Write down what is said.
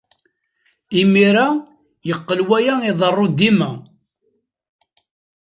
Imir-a, yeqqel waya iḍerru dima.